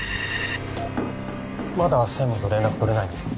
まだ専務と連絡取れないんですか？